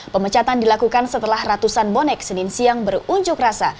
pemecatan dilakukan setelah ratusan bonek senin siang berunjuk rasa